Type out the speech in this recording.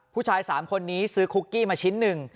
ผู้ชาย๓คนนี้ซื้อคุกกี้มาชิ้นหนึ่ง